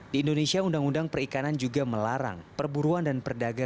di indonesia undang undang perikanan juga melarang perburuan dan perdagangan